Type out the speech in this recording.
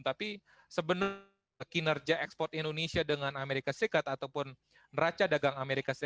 tapi sebenarnya kinerja ekspor di indonesia dengan as ataupun neraca dagang as